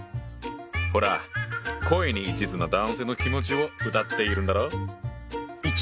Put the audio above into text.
ほら恋に一途な男性の気持ちを歌っているんだろ？